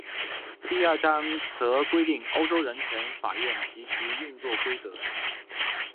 第二章则规定欧洲人权法院及其运作规则。